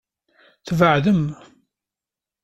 Tbeɛdemt.